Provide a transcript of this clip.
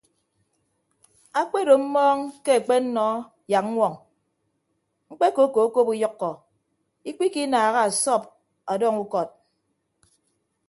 Akpedo mmọọñ ke akpennọ yak ññwoñ mkpekokop uyʌkkọ ikpikinaaha asọp ọdọñ ukọd.